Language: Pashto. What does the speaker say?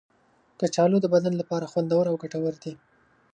کچالو د بدن لپاره خوندور او ګټور دی.